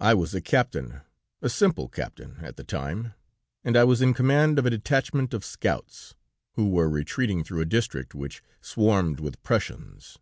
"I was a captain, a simple captain, at the time, and I was in command of a detachment of scouts, who were retreating through a district which swarmed with Prussians.